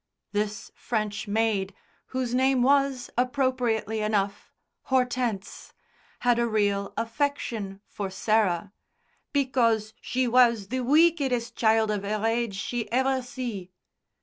This French maid, whose name was, appropriately enough, Hortense, had a real affection for Sarah "because she was the weeckedest child of 'er age she ever see."